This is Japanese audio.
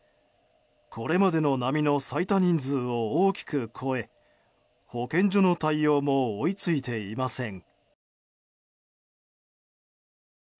これまでの波の最多人数を大きく超え保健所の対応も追いついていません。